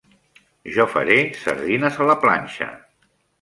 Jo faré sardines a la planxa.